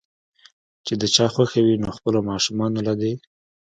چې د چا خوښه وي نو خپلو ماشومانو له دې